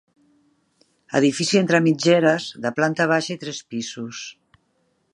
Edifici entre mitgeres, de planta baixa i tres pisos.